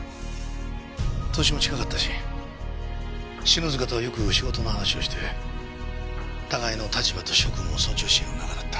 歳も近かったし篠塚とはよく仕事の話をして互いの立場と職務を尊重し合う仲だった。